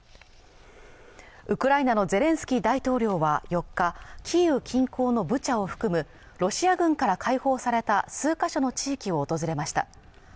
ウクライナのゼレンスキー大統領は４日キーウ近郊のブチャを含むロシア軍から解放された数カ所の地域を訪れました